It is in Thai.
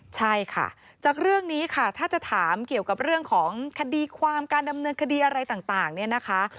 ใช่ค่ะจากเรื่องนี้ค่ะถ้าจะถามเกี่ยวกับเรื่องของคดีความการดำเนินคดีอะไรต่างเนี่ยนะคะ